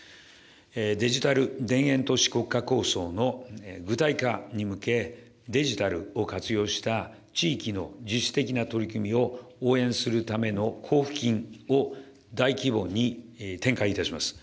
デジタル田園都市国家構想の具体化に向け、デジタルを活用した地域の自主的な取り組みを応援するための交付金を大規模に展開いたします。